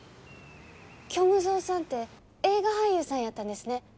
虚無蔵さんて映画俳優さんやったんですね。